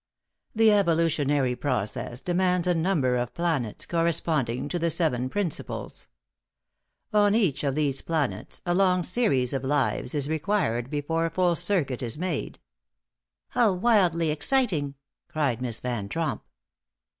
"The evolutionary process demands a number of planets, corresponding to the seven principles. On each of these planets a long series of lives is required before a full circuit is made." "How wildly exciting!" cried Miss Van Tromp.